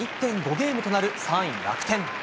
ゲームとなる３位、楽天。